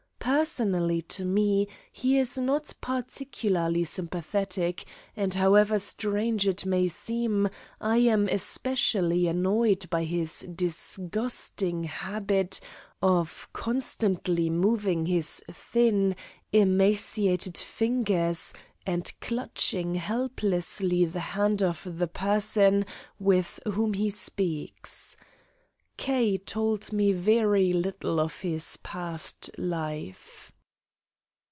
Personally to me he is not particularly sympathetic, and however strange it may seem I am especially annoyed by his disgusting habit of constantly moving his thin, emaciated fingers and clutching helplessly the hand of the person with whom he speaks. K. told me very little of his past life.